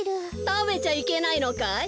たべちゃいけないのかい？